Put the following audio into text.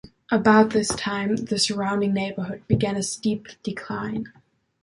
About this time, the surrounding neighborhood began a steep decline.